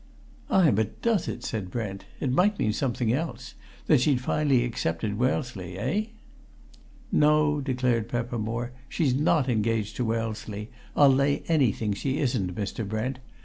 "Ay, but does it?" said Brent. "It might mean something else that she'd finally accepted Wellesley. Eh?" "No," declared Peppermore. "She's not engaged to Wellesley: I'll lay anything she isn't, Mr. Brent.